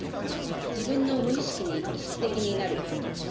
自分の無意識に意識的になる。